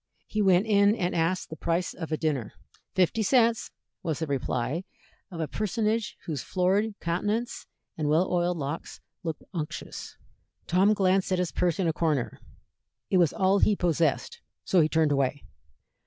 He went in and asked the price of a dinner. "Fifty cents," was the reply of a personage whose florid countenance and well oiled locks looked unctuous. Tom glanced at his purse in a corner. It was all he possessed, so he turned away.